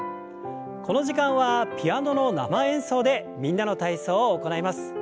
この時間はピアノの生演奏で「みんなの体操」を行います。